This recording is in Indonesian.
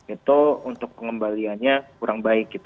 itu untuk pengembaliannya kurang baik